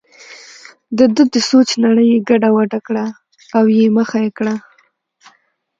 دده د سوچ نړۍ یې ګډه وډه کړه او یې مخه کړه.